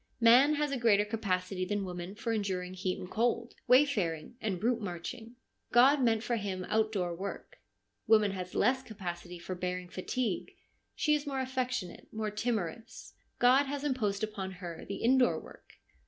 Man has a greater capacity than woman for enduring heat and cold, wayfaring and route marching. God meant for him outdoor work. Woman has less capacity for bearing fatigue ; she is more affectionate, more timorous. God has imposed upon her the indoor work.